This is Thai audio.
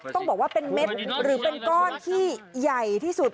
ต้องบอกว่าเป็นเม็ดหรือเป็นก้อนที่ใหญ่ที่สุด